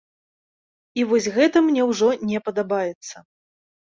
І вось гэта мне ўжо не падабаецца.